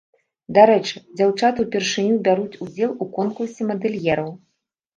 Дарэчы, дзяўчаты ўпершыню бяруць удзел у конкурсе мадэльераў.